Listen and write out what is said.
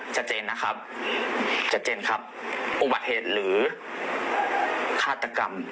เจนแสดงนะครับอุบัติเหตุหรือคาตรกรรม